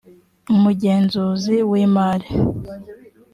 umugenzuzi w imari